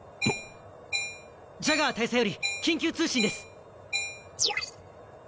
ジャガー大佐より緊急通信です！